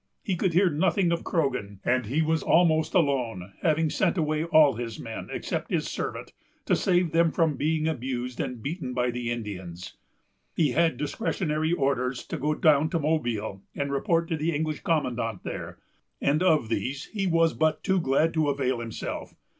He could hear nothing of Croghan, and he was almost alone, having sent away all his men; except his servant, to save them from being abused and beaten by the Indians. He had discretionary orders to go down to Mobile and report to the English commandant there; and of these he was but too glad to avail himself.